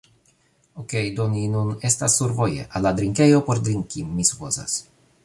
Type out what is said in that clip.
Okej, do ni nun estas survoje al la drinkejo por drinki, mi supozas.